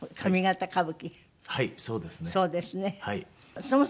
そうですね。